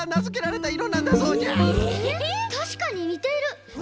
たしかににてる！